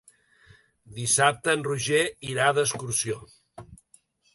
Dissabte en Roger irà d'excursió.